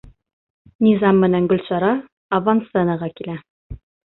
Низам менән Гөлсара авансценаға килә.